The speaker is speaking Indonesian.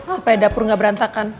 supaya dapur gak berantakan